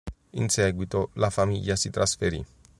In seguito la famiglia si trasferì.